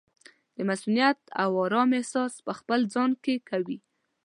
د مصؤنیت او ارام احساس پخپل ځان کې کوي.